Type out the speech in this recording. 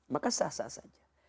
maka sah sah saja